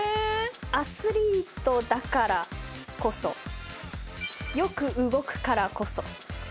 アスリートだからこそよく動くからこそ。